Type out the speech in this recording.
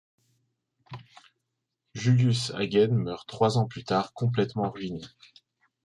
Julius Hagen meurt trois ans plus tard complètement ruiné.